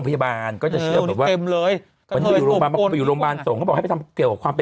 พฤศพพฤศพพฤศพ